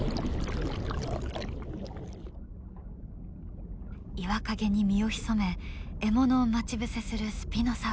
岩陰に身を潜め獲物を待ち伏せするスピノサウルス。